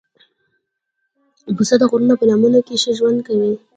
پسه د غرونو په لمنو کې ښه ژوند کوي.